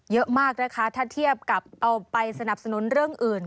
เยอะมากนะคะถ้าเทียบกับเอาไปสนับสนุนเรื่องอื่น